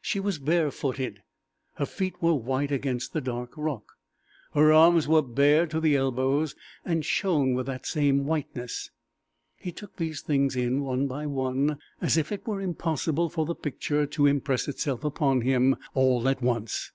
She was barefooted. Her feet were white against the dark rock. Her arms were bare to the elbows, and shone with that same whiteness. He took these things in one by one, as if it were impossible for the picture to impress itself upon him all at once.